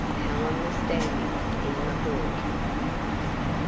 Helen was standing in the hall.